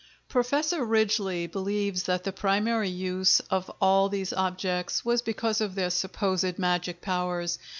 Professor Ridgeley believes that the primary use of all these objects was because of their supposed magic powers.